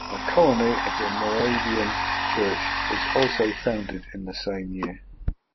A colony of the Moravian Church was also founded in the same year.